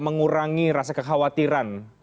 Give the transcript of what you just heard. mengurangi rasa kekhawatiran